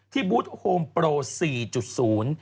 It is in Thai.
ที่บุ๊ตโฮมโปร๔๐